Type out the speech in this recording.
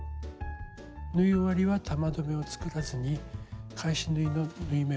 縫い終わりは玉留めを作らずに返し縫いの縫い目を割って留めていきます。